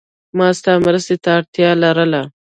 ما ستا مرستی ته اړتیا لرله.